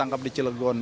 yang terdakwa di cilegon